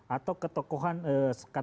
atau ketokohan katakanlah misalnya berpengaruh